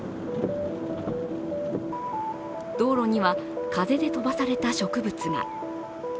道路には風で飛ばされた植物が。